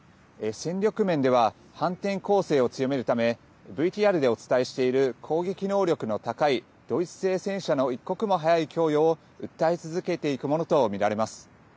戦力面では反転攻勢を強めるためＶＴＲでお伝えしている攻撃能力の高いドイツ製戦車の一刻も早い供与を訴え続けていくものと見られます。